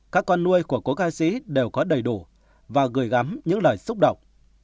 các con nuôi của cố ca sĩ đều có đầy đủ và gửi gắm những lời xúc động